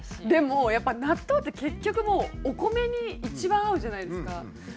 でもやっぱ納豆って結局お米に一番合うじゃないですか。